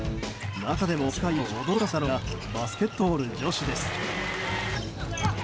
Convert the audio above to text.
中でも、世界を驚かせたのがバスケットボール女子です。